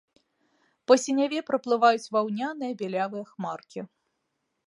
Па сіняве праплываюць ваўняныя бялявыя хмаркі.